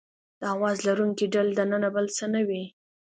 د اواز لرونکي ډهل دننه بل څه نه وي.